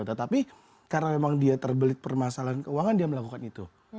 tetapi karena memang dia terbelit permasalahan keuangan dia melakukan itu